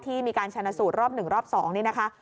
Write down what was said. มีการชนะสูตรรอบ๑รอบ๒นี่นะคะ